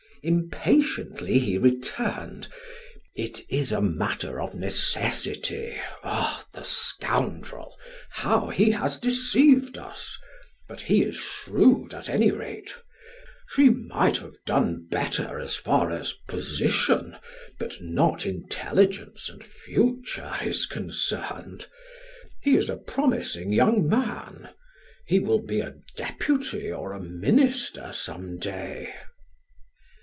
Impatiently he returned: "It is a matter of necessity. Ah, the scoundrel how he has deceived us! But he is shrewd at any rate. She might have done better as far as position, but not intelligence and future, is concerned. He is a promising young man. He will be a deputy or a minister some day."